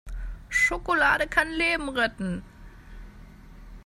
Schokolade kann Leben retten!